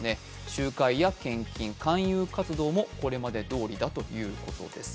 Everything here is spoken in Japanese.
集会や献金、勧誘活動もこれまでどおりだということです。